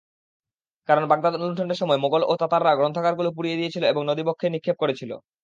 কারণ বাগদাদ লুণ্ঠনের সময় মোগল ও তাতাররা গ্রন্থাগারগুলো পুড়িয়ে দিয়েছিল এবং নদীবক্ষে নিক্ষেপ করেছিল।